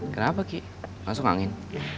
kenapa gi masuk angin